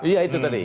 iya itu tadi